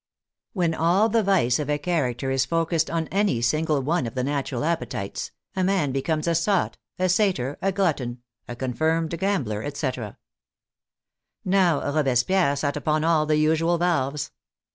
When all the vice of a character is focused on any single one of the natural appetites, a man becomes a sot, a satyr, a glutton, a confirmed gambler, etc. Now Robespierre sat upon all the usual valves.